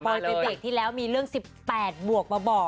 ไปเบรกที่แล้วมีเรื่อง๑๘บวกมาบอก